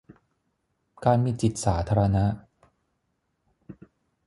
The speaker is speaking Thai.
การมีจิตสาธารณะ